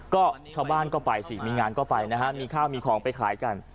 ก็ชาวบ้านก็ไปสิมีงานก็ไปนะฮะมีข้าวมีของไปขายกัน